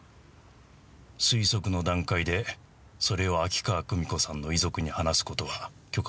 推測の段階でそれを秋川久美子さんの遺族に話す事は許可できません。